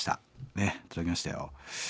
ねっ届きましたよ。